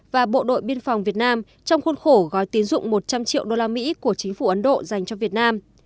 và bộ đội biên phòng việt nam trong khuôn khổ gói tín dụng một trăm linh triệu usd của chính phủ ấn độ dành cho việt nam